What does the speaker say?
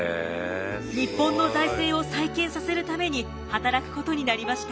日本の財政を再建させるために働くことになりました。